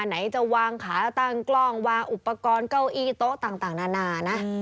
ไหนจะวางขาตั้งกล้องวางอุปกรณ์เก้าอี้โต๊ะต่างนานานะ